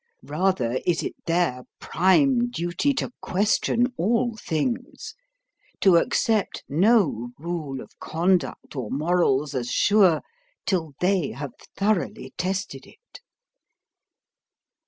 Rather is it their prime duty to question all things, to accept no rule of conduct or morals as sure till they have thoroughly tested it."